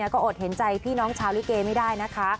ก็อดเห็นใจพี่น้องชาวลิเกไม่ได้นะคะ